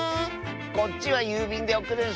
こっちはゆうびんでおくるんスね！